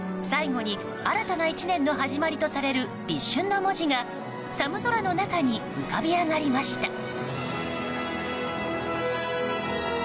最後に新たな１年の始まりとされる「立春」の文字が寒空の中に浮かび上がりました。